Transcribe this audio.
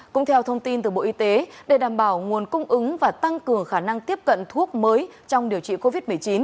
cũng theo thông tin từ bộ y tế để đảm bảo nguồn cung ứng và tăng cường khả năng tiếp cận thuốc mới trong điều trị covid một mươi chín